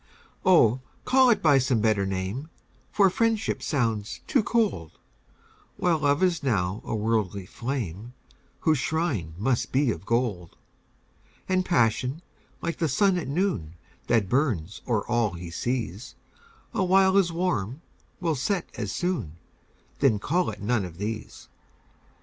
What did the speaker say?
Oh, call it by some better name, For Friendship sounds too cold, While Love is now a worldly flame, Whose shrine must be of gold: And Passion, like the sun at noon, That burns o'er all he sees, Awhile as warm will set as soon Then call it none of these.